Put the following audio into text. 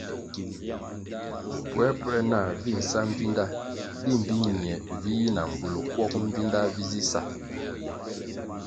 Puēpuē nah vi nsa mbvinda di mbpi nie vi yi na mbvul kwog Mbvinda vi zi sa ?